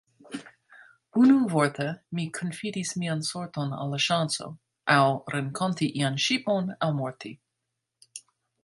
Unuvorte, mi konfidis mian sorton al la ŝanco; aŭ renkonti ian ŝipon aŭ morti.